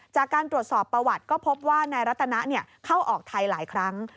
จากการตรวจสอบประวัติก็พบว่านายรัตนะเข้าออกไทยหลายครั้ง